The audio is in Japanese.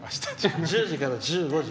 １０時から１５時。